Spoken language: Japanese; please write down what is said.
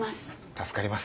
助かります。